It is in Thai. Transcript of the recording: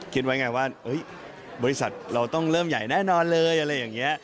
คิดไว้ไงว่าบริษัทเราต้องเริ่มใหญ่แน่นอนเลย